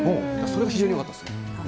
それが非常によかったです。